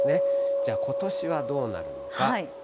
じゃあ、ことしはどうなるのか。